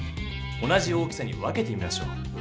同じ大きさに分けてみましょう。